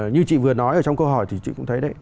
như chị vừa nói ở trong câu hỏi thì chị cũng thấy đấy